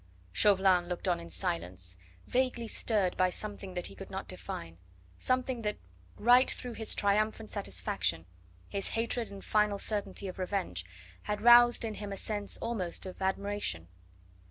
Chauvelin looked on in silence, vaguely stirred by something that he could not define, something that right through his triumphant satisfaction, his hatred and final certainty of revenge, had roused in him a sense almost of admiration.